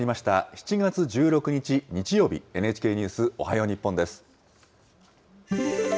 ７月１６日日曜日、ＮＨＫニュースおはよう日本です。